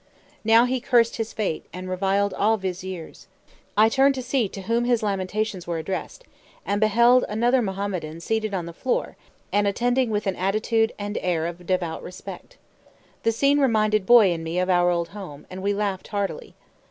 Now he cursed his fate, and reviled all viziers. I turned to see to whom his lamentations were addressed, and beheld another Mohammedan seated on the floor, and attending with an attitude and air of devout respect. The scene reminded Boy and me of our old home, and we laughed heartily.